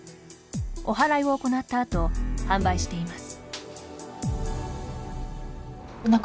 おはらいを行ったあと販売しています。